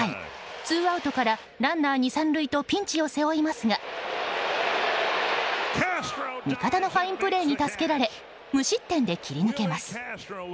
ツーアウトからランナー２、３塁とピンチを背負いますが味方のファインプレーに助けられ無失点で切り抜けます。